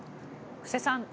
布施さん